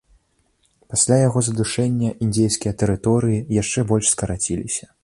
Пасля яго задушэння індзейскія тэрыторыі яшчэ больш скараціліся.